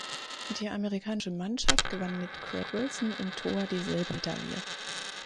Die amerikanische Mannschaft gewann mit Craig Wilson im Tor die Silbermedaille.